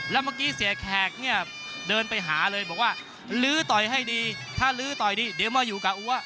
แล้วเมื่อกี้เสียแขกเนี่ยเดินไปหาเลยบอกว่าลื้อต่อยให้ดีถ้าลื้อต่อยดีเดี๋ยวมาอยู่กับอัว